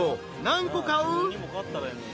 何個買う？］